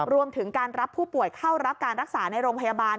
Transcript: รวมถึงการรับผู้ป่วยเข้ารับการรักษาในโรงพยาบาล